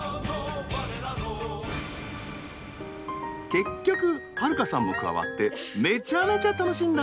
結局遥加さんも加わってめちゃめちゃ楽しんだ親子２人。